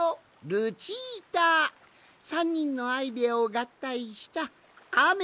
ルチータ３にんのアイデアをがったいした「あめのひ